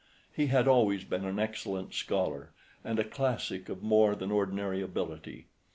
He had always been an excellent scholar, and a classic of more than ordinary ability.